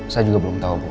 saya juga belum tahu bu